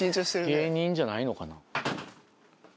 芸人じゃないのかな？